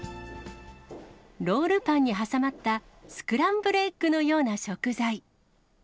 ロールパンに挟まった、スクランブルエッグのような食材。